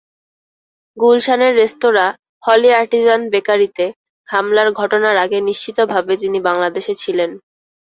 গুলশানের রেস্তোরাঁ Holey Artisan বেকারিতে হামলার ঘটনার আগে নিশ্চিতভাবে তিনি বাংলাদেশে ছিলেন।